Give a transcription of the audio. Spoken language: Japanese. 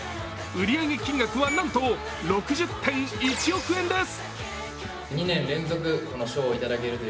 売上金額はなんと６０．１億円です。